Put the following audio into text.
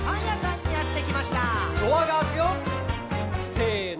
せの。